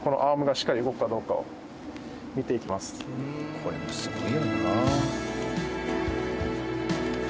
これもすごいよな。